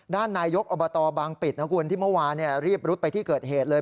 นายกอบตบางปิดนะคุณที่เมื่อวานรีบรุดไปที่เกิดเหตุเลย